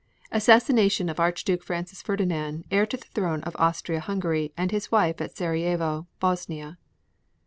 Assassination of Archduke Francis Ferdinand, heir to throne of Austria Hungary, and his wife at Sarajevo, Bosnia.